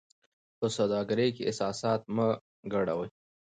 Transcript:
په سوداګرۍ کې احساسات مه ګډوئ.